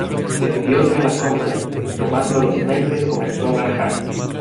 tendióse a la sombra, y tomando los naipes comenzó a barajar.